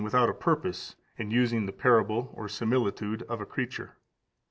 without a purpose in using the parable (or similitude) of the creature.